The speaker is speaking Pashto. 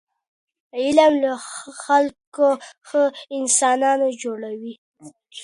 علم له خلکو ښه انسانان جوړوي.